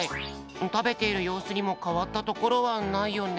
たべているようすにもかわったところはないよね。